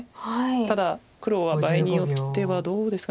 ただ黒は場合によってはどうですか。